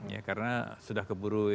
ya karena sudah keburu